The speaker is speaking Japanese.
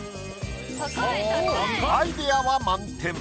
アイデアは満点。